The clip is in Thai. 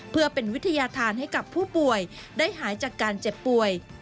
เพื่อเป็นวิทยาธารให้กับผู้ป่วยได้หายจากการเจ็บป่วย